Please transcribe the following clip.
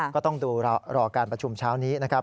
ก็ต้องดูรอการประชุมเช้านี้นะครับ